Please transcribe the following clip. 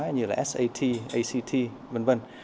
như là sat act v v